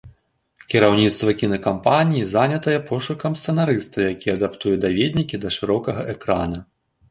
Кіраўніцтва кінакампаніі занятае пошукам сцэнарыста, які адаптуе даведнікі для шырокага экрана.